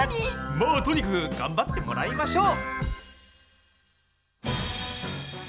まあとにかく頑張ってもらいましょう！